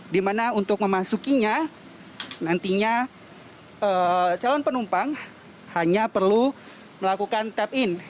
di mana untuk memasukinya nantinya calon penumpang hanya perlu melakukan tap in